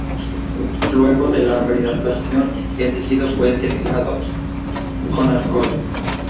Luego de la rehidratación el tejido puede ser fijado con alcohol.